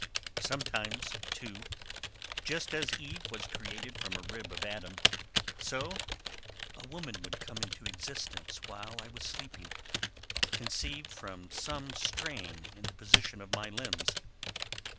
Sometimes, too, just as Eve was created from a rib of Adam, so a woman would come into existence while I was sleeping, conceived from some strain in the position of my limbs.